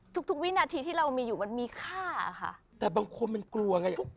ถ้ามบิ้นไพลี่ที่เรามีอยู่มันมีค่าค่ะ